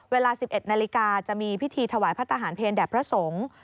เวลา๑๑นาฬิกาจะมีพิธีถวายพระทหารเพลแด่พระสงฆ์